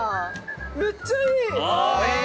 めっちゃいい。